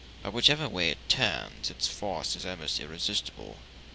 But whichever way it turns, its force is almost irresistible.